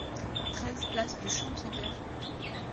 treize place du Champivert